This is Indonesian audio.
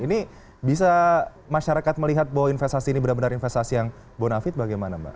jadi bisa masyarakat melihat bahwa investasi ini benar benar investasi yang bonafit bagaimana mbak